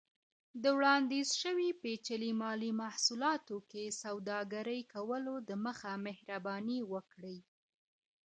د وړاندیز شوي پیچلي مالي محصولاتو کې سوداګرۍ کولو دمخه، مهرباني وکړئ